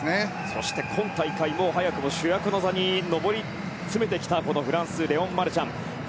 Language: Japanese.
そして今大会早くも主役の座に上り詰めてきたフランス、レオン・マルシャン。